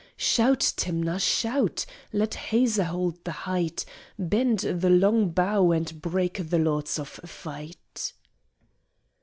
"Shout, Timnath, shout! Let Hazor hold the height, Bend the long bow and break the lords of fight!"